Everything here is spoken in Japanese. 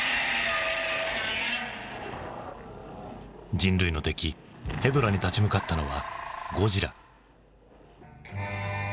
人類の敵へドラに立ち向かったのはゴジラ。